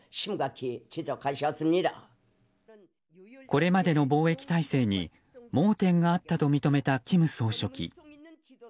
これまでの防疫体制に盲点があったと認めた金総書記。